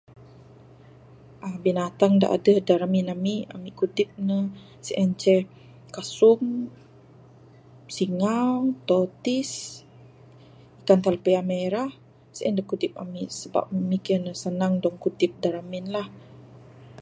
uhh binatang dak adeh dak remin ami kudip ne sien ceh kasung, singau, tortoise, ikan talapia merah, sien dak kudip ami. Sabab mi miki senang kudip dak remin lah.